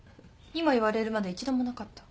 今言われるまで一度もなかった。